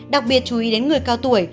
đặc biệt chú ý đến người cao tuổi